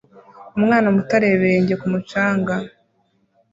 Umwana muto areba ibirenge ku mucanga